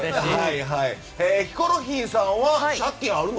ヒコロヒーさんは借金あるの？